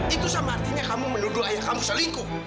itu sama artinya kamu menuduh ayah kamu selingkuh